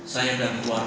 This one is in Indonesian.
saya dan ibu ani